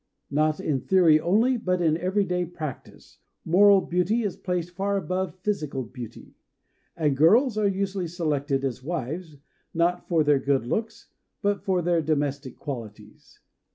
Not in theory only, but in every day practice, moral beauty is placed far above physical beauty; and girls are usually selected as wives, not for their good looks, but for their domestic qualities.